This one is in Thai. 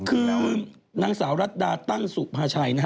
คือนางสาวรัดดาตั้งสุภาชัยนะฮะ